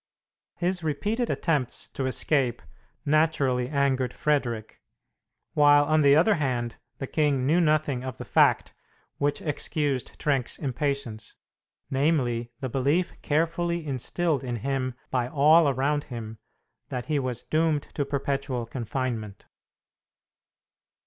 His repeated attempts to escape naturally angered Frederic, while on the other hand the king knew nothing of the fact which excused Trenck's impatience namely, the belief carefully instilled in him by all around him that he was doomed to perpetual confinement.